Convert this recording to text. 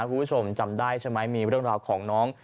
คุณผู้ชมจำได้ใช่ไหมมีเรื่องราวของน้อง